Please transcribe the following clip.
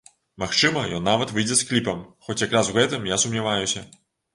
Магчыма, ён нават выйдзе з кліпам, хоць як раз у гэтым я сумняваюся.